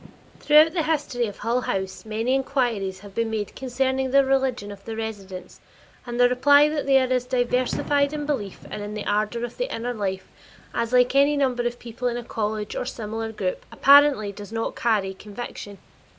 Throughout the history of Hull House many inquiries have been made concerning the religion of the residents, and the reply that they are as diversified in belief and in the ardor of the inner life as any like number of people in a college or similar group, apparently does not carry conviction.